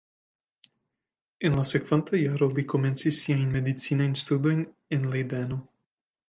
En la sekvanta jaro li komencis siajn medicinajn studojn en Lejdeno.